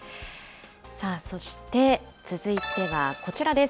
そして、続いてはこちらです。